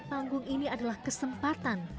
panggung ini adalah kesempatan